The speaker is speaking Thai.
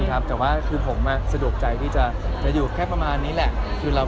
แกล้งใจกันอย่างไรเลยครับ